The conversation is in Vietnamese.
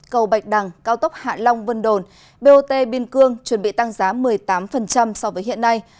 cầu bạch đằng cao tốc hạ long vân đồn bot biên cương chuẩn bị tăng giá một mươi tám so với hiện nay